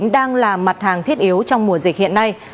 đang là mặt hàng thiết yếu trong mùa dịch hiện nay